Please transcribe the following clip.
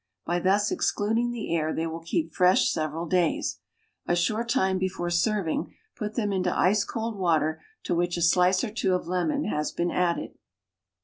By thus excluding the air they will keep fresh several days. A short time before serving put them into ice cold water to which a slice or two of lemon has been added.